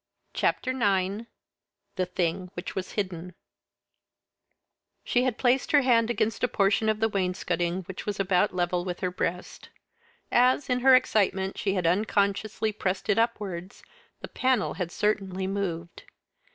CHAPTER IX THE THING WHICH WAS HIDDEN She had placed her hand against a portion of the wainscotting which was about level with her breast. As, in her excitement, she had unconsciously pressed it upwards, the panel had certainly moved.